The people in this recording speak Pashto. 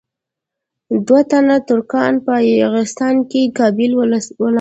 دوه تنه ترکان په یاغستان کې قبایل ولمسول.